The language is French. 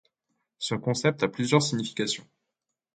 Ce concept a plusieurs significations.